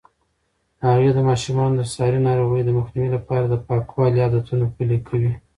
هغې د ماشومانو د ساري ناروغیو د مخنیوي لپاره د پاکوالي عادتونه پلي کوي.